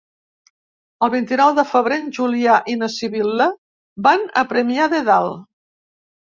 El vint-i-nou de febrer en Julià i na Sibil·la van a Premià de Dalt.